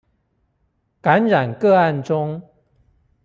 感染個案中